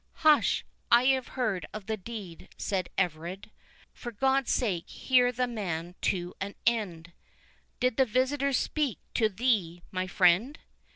"Hush! I have heard of the deed," said Everard; "for God's sake hear the man to an end.—Did this visitor speak to thee, my friend?"